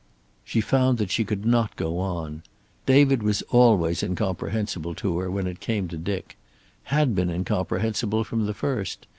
She found that she could not go on. David was always incomprehensible to her when it came to Dick. Had been incomprehensible from the first.